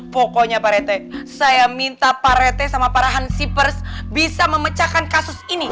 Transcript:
pokoknya pak rete saya minta pak rete sama para hansipers bisa memecahkan kasus ini